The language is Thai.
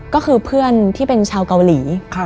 ก็คือเพื่อนที่เป็นชาวเกาหลี